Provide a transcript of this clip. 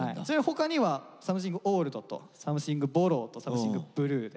他にはサムシング・オールドとサムシング・ボローとサムシング・ブルーで。